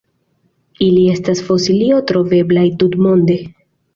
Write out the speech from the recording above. Ili estas fosilioj troveblaj tutmonde.